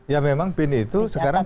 ya memang bin itu